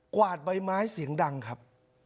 วาดใบไม้เสียงดังครับ